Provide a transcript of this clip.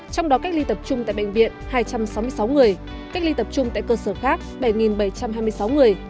trong đó cách ly tập trung tại bệnh viện hai trăm sáu mươi sáu người cách ly tập trung tại cơ sở khác bảy bảy trăm hai mươi sáu người